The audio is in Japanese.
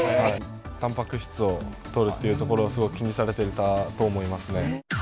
タンパク質をとるっていうところをすごく気にされてたと思います